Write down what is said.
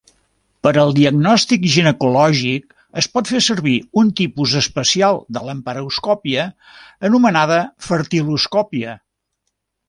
Per al diagnòstic ginecològic, es pot fer servir un tipus especial de laparoscòpia anomenada fertiloscòpia.